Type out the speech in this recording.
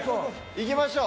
行きましょう！